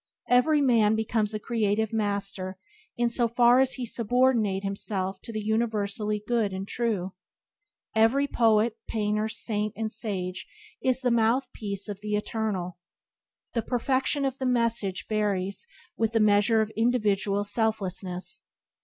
Every man becomes a creative master in so far as he subordinate himself to the universally good and true. Every poet, painter, saint, and sage is the mouth piece of the Eternal. The perfection of the message varies with the measure of individual selflessness.